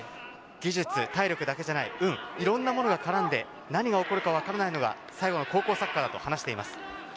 技術、体力だけじゃない、いろんなものが絡んで、何が起こるか分からないのが高校サッカーだと話しています。